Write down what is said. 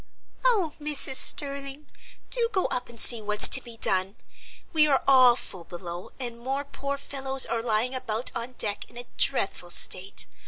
"O Mrs. Sterling, do go up and see what's to be done! We are all full below, and more poor fellows are lying about on deck in a dreadful state.